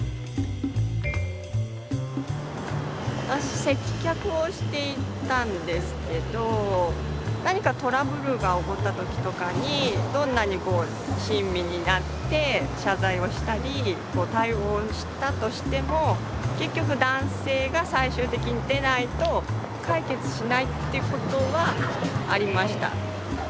私接客をしていたんですけど何かトラブルが起こった時とかにどんなに親身になって謝罪をしたり対応したとしても結局男性が最終的に出ないと解決しないっていうことはありました。